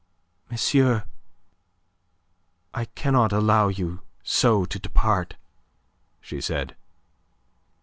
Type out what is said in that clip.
"Monsieur, I cannot allow you so to depart," she said.